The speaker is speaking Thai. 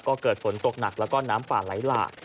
ก็เกิดฝนตกหนักแล้วก็น้ำป่าไหลหลาก